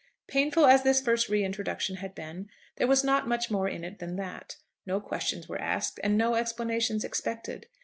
Painful as this first re introduction had been, there was not much more in it than that. No questions were asked, and no explanations expected.